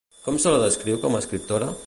Com se la descriu com a escriptora?